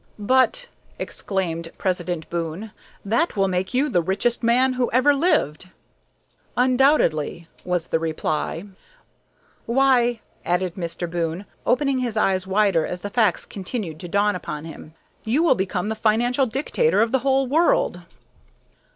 "But," exclaimed President Boon, "that will make you the richest man who ever lived!" "Undoubtedly," was the reply. "Why," added Mr. Boon, opening his eyes wider as the facts continued to dawn upon him, "you will become the financial dictator of the whole earth!"